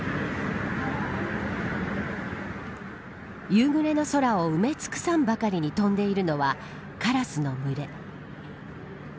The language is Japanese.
夕暮れの空を埋め尽くさんばかりに飛んでいるのはカラスの群れ。